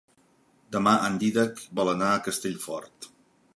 Demà en Dídac vol anar a Castellfort.